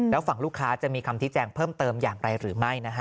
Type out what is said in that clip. แล้วฝั่งลูกค้าจะมีคำที่แจ้งเพิ่มเติมอย่างไรหรือไม่นะฮะ